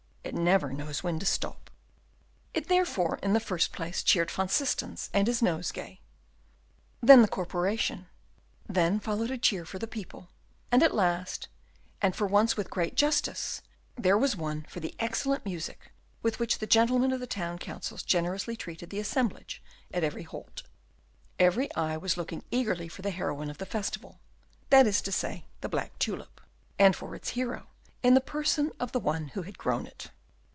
It never knows when to stop. It therefore, in the first place, cheered Van Systens and his nosegay, then the corporation, then followed a cheer for the people; and, at last, and for once with great justice, there was one for the excellent music with which the gentlemen of the town councils generously treated the assemblage at every halt. Every eye was looking eagerly for the heroine of the festival, that is to say, the black tulip, and for its hero in the person of the one who had grown it.